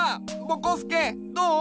ぼこすけどう？